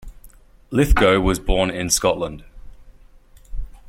Lithgow was born in Scotland.